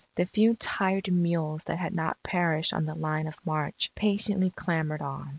The few tired mules that had not perished on the line of march, patiently clambered on.